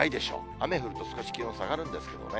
雨降ると、少し気温下がるんですけどね。